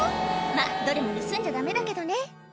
まぁどれも盗んじゃダメだけどね